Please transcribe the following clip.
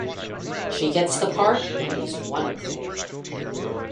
She gets the part and is wonderful.